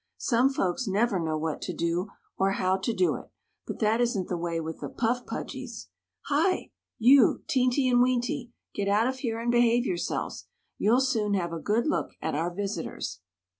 Some folks never know what to do, or how to do it, but that isn't the way with the Puff Pudgys. Hi! you, Teenty and Weenty get out of here and behave yourselves! You'll soon have a good look at our visitors."